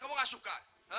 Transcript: kamu enggak suka